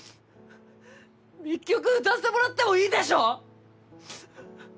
一曲歌わせてもらってもいいでしょ！？